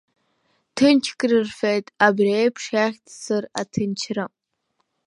Ҭынч крырфеит, абри еиԥш иахьӡзар аҭынчра.